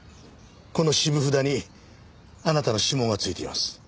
この渋札にあなたの指紋が付いています。